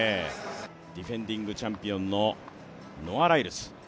ディフェンディングチャンピオンのノア・ライルズ。